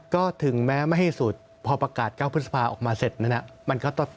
ก็ถึงแม้ไม่ให้สุดพอประกาศ๙พฤษภาออกมาเสร็จนั้น